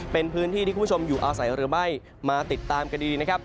เป็นพื้นที่ที่คุณผู้ชมอยู่อาศัยหรือไม่มาติดตามคดีนะครับ